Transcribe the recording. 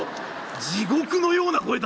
「地獄のような声だな」。